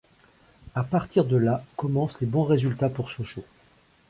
À partir de là commencent les bons résultats pour Sochaux.